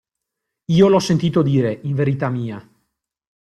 Io l'ho sentito dire, in verità mia.